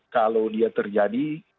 kalau dia terjadi